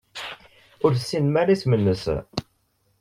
Ur tessinem ara isem-nnes?